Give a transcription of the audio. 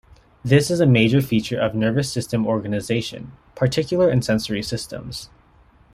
This is a major feature of nervous system organization, particular in sensory systems.